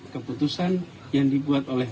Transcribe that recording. keputusan yang dibuat oleh